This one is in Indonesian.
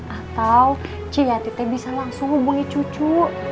atau ci yati teh bisa langsung hubungi cucu